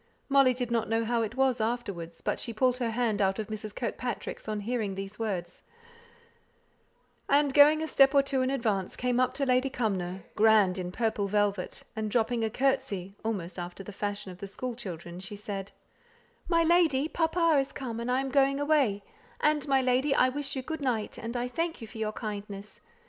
Molly did not know how it was afterwards, but she pulled her hand out of Mrs. Kirkpatrick's on hearing these words, and going a step or two in advance came up to Lady Cumnor, grand in purple velvet, and dropping a curtsey, almost after the fashion of the school children, she said, "My lady, papa is come, and I am going away; and, my lady, I wish you good night, and thank you for your kindness.